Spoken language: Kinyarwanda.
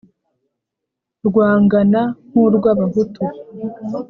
rwangana nku rwa bahutu